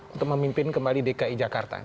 untuk memimpin kembali dki jakarta